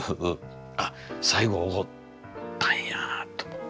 あっ最後おごったんやと思って。